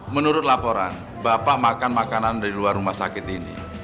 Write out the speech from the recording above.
menurut laporan bapak makan makanan dari luar rumah sakit ini